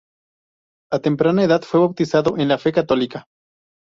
A temprana edad fue bautizado en la fe católica.